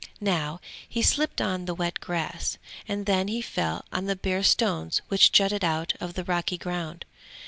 Now he slipped on the wet grass, and then he fell on the bare stones which jutted out of the rocky ground.